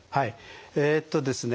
えっとですね